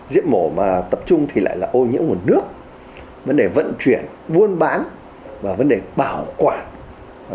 giết mổ mà tập trung thì lại là ô nhiễm nguồn nước vấn đề vận chuyển buôn bán và vấn đề bảo quản